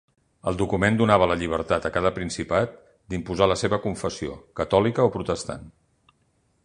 El document donava la llibertat a cada principat d'imposar la seva confessió, catòlica o protestant.